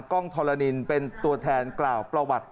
้องทรนินเป็นตัวแทนกล่าวประวัติ